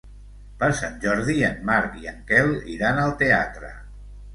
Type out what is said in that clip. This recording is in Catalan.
Per Sant Jordi en Marc i en Quel iran al teatre.